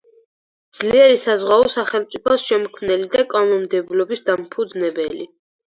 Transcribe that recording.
ძლიერი საზღვაო სახელმწიფოს შემქმნელი და კანონმდებლობის დამფუძნებელი.